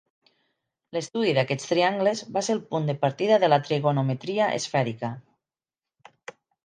L'estudi d'aquests triangles va ser el punt de partida de la trigonometria esfèrica.